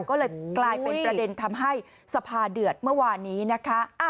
ก็เลยกลายเป็นประเด็นทำให้สภาเดือดเมื่อวานนี้นะคะ